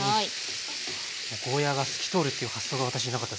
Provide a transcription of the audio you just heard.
ゴーヤーが透き通るという発想が私になかったですね。